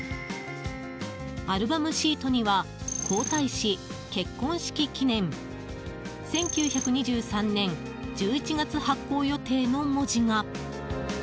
アルバムシートには「皇太子結婚式記念」「１９２３年１１月発行予定」の文字が。